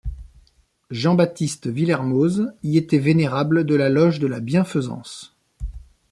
Jean-Baptiste Willermoz y était vénérable de la loge de la Bienfaisance.